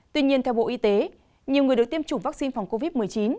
tuy nhiên theo bộ y tế nhiều người được tiêm chủng vaccine phòng covid một mươi chín